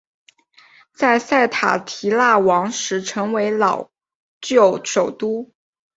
在塞塔提腊王时成为老挝首都。